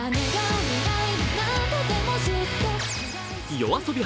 ＹＯＡＳＯＢＩ